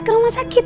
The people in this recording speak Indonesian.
ke rumah sakit